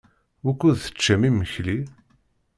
Wukud teččam imekli?